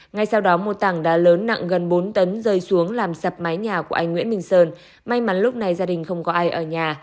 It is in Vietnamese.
ngay sau đó một tảng đá lớn nặng gần bốn tấn rơi xuống làm sập mái nhà của anh nguyễn minh sơn may mắn lúc này gia đình không có ai ở nhà